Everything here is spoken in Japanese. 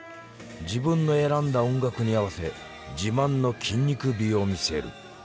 自分の選んだ音楽に合わせ自慢の筋肉美を見せる。